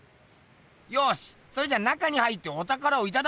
ようしそれじゃ中に入っておたからをいただこう！